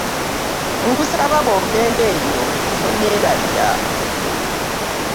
Nkusaba bw'ogenda eyo tonerabira.